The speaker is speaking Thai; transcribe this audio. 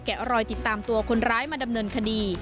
รอยติดตามตัวคนร้ายมาดำเนินคดี